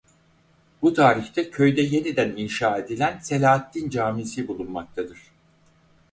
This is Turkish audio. Bu tarihte köyde yeniden inşa edilen Selahaddin Camisi bulunmaktadır.